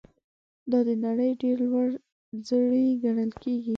دا د نړۍ ډېر لوړ ځړوی ګڼل کیږي.